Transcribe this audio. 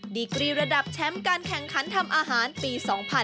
ดีกรีระดับแชมป์การแข่งขันทำอาหารปี๒๕๕๙